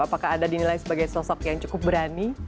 apakah anda dinilai sebagai sosok yang cukup berani